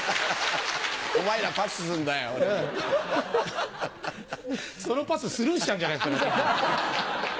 お前ら、パスすんだよ、そのパス、スルーしちゃうんじゃないですかね。